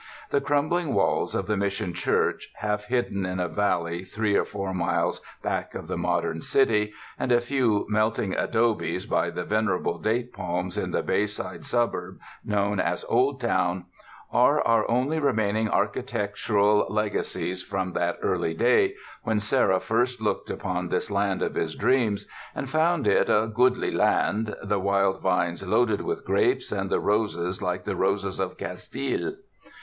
The crumbling walls of the Mission church, half hid den in a valley three or four miles back of the modern city, and a few melting adobes by the ven erable date palms in the bayside suburb known as Old Town, are our only remaining architectural lega 205 UNDER THE SKY IN CALIFORNIA cies from that early da}^ when Serra first looked upon this land of his dreams and found it "a goodly land, the wild vines loaded with grapes and the roses like the roses of Castile."